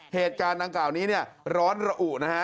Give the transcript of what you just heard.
เหตุการณ์ต่างนี้ร้อนระอุนะฮะ